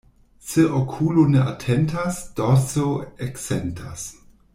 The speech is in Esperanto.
Se okulo ne atentas, dorso eksentas.